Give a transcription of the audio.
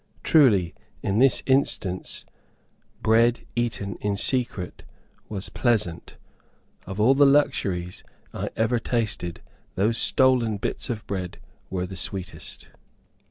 Truly, in this instance, "bread eaten in secret" was "pleasant." Of all the luxuries I ever tasted, those stolen bits of bread were the sweetest.